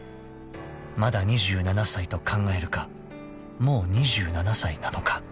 ［まだ２７歳と考えるかもう２７歳なのか］